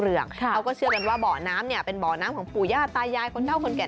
เขาก็เชื่อกันว่าบ่อน้ำเนี่ยเป็นบ่อน้ำของปู่ย่าตายายคนเท่าคนแก่